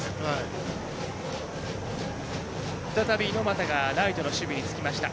再び猪俣がライトの守備につきました。